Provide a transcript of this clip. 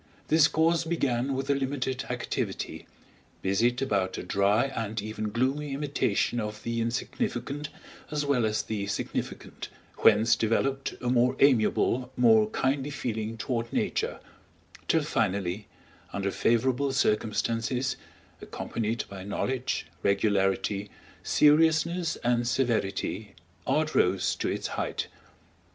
This course began with a limited activity, busied about a dry and even gloomy imitation of the insignificant as well as the significant, whence developed a more amiable, more kindly feeling toward Nature, till finally, under favorable circumstances, accompanied by knowledge, regularity, seriousness, and severity, art rose to its height.